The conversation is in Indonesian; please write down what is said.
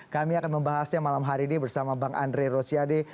kami akan membahasnya malam hari ini bersama bang andre rosiade